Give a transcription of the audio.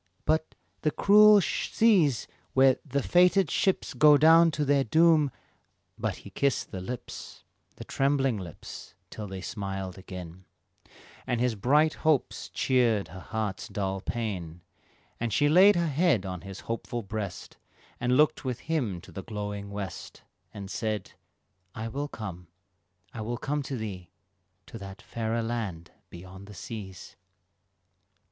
"But the cruel seas where the fated ships Go down to their doom" But he kissed the lips The trembling lips, till they smiled again, And his bright hopes cheered her heart's dull pain, And she laid her head on his hopeful breast, And looked with him to the glowing west, And said, "I will come, I will come to thee To that fairer land beyond the seas."